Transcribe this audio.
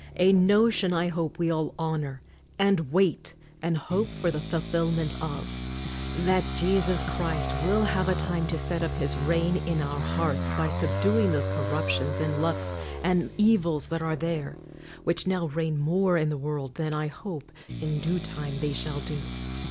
A notion I hope we all honor, and wait, and hope for the fulfil ment of : That Jesus Christ will have a time to set up His reign in our hearts by subduing those corruptions and lusts and evils that are there, which now reign more in the world than, I hope, in dae time they shall do.